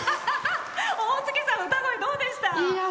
大月さん歌声、どうでした？